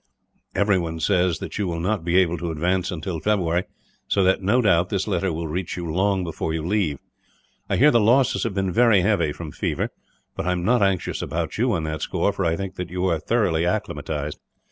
"Everyone says that you will not be able to advance until February; so that, no doubt, this letter will reach you long before you leave. I hear the losses have been very heavy, from fever; but I am not anxious about you on that score, for I think that you are thoroughly acclimatised.